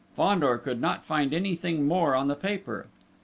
_ Fandor could not find anything more on the paper.